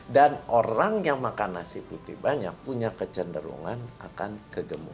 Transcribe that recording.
dan orang yang makan nasi putih banyak punya kecenderungan akan kegemuran